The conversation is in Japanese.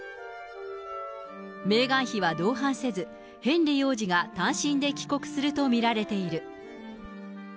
メーガン妃は同伴せず、ヘンリー王子が単身で帰国すると見られている。